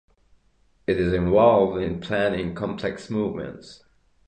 It is involved in planning complex movements.